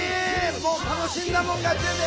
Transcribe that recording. もう楽しんだもん勝ちやで！